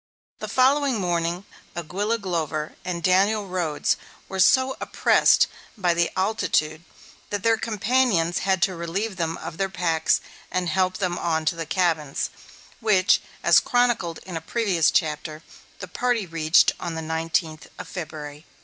The following morning Aguilla Glover and Daniel Rhodes were so oppressed by the altitude that their companions had to relieve them of their packs and help them on to the cabins, which, as chronicled in a previous chapter, the party reached on the nineteenth of February, 1847.